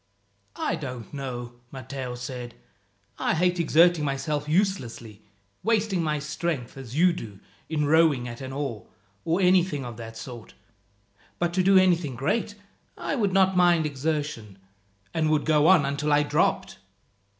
"I don't know," Matteo said. "I hate exerting myself uselessly wasting my strength, as you do, in rowing at an oar, or anything of that sort; but to do anything great, I would not mind exertion, and would go on until I dropped."